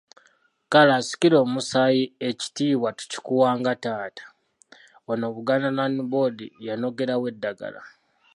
Kale asikira omusaayi ekitiibwa tukikuwa nga taata, wano Buganda Land Board yanogerawo eddagala.